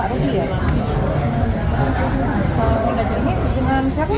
dengan kami yang dihubungkan sama